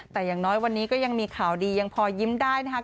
แต่อย่างน้อยวันนี้ก็ยังมีข่าวดียังพอยิ้มได้นะครับ